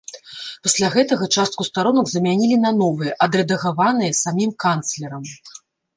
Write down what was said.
Пасля гэтага частку старонак замянілі на новыя, адрэдагаваныя самім канцлерам.